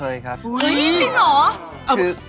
เคยครับเฮ้ยจริงเหรอ